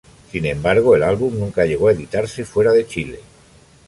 Sin embargo, el álbum nunca llegó a editarse fuera de Chile.